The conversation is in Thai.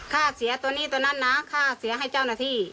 ค่าเสียตัวนี้ตัวนั้นนะค่าเสียให้เจ้าหน้าที่